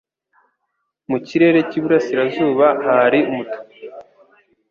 Mu kirere cyiburasirazuba hari umutuku.